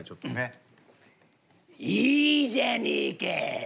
いいじゃねえか！